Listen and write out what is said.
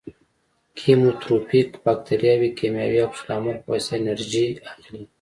کیموټروفیک باکتریاوې د کیمیاوي عکس العمل په واسطه انرژي اخلي.